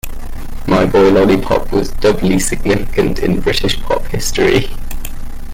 "My Boy Lollipop" was doubly significant in British pop history.